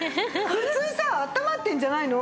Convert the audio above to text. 普通さ温まってるんじゃないの？